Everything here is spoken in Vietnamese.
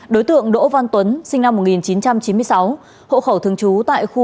đối tượng đỗ văn tuấn sinh năm một nghìn chín trăm chín mươi sáu hộ khẩu thường trú tại khu năm